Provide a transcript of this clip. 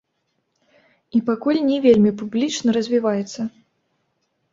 І пакуль не вельмі публічна развіваецца.